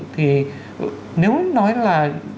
thì nếu nói là